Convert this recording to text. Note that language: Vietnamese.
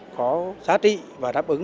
có giá trị và đáp ứng